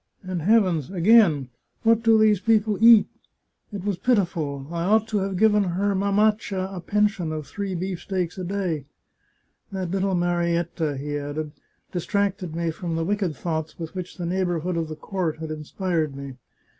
And heavens, again ! What do those people eat ? It was pitiful ! I ought to have given her mamaccia a pen sion of three beefsteaks a day. ... That little Marietta," he added, " distracted me from the wicked thoughts with which the neighbourhood of the court had irtspired me.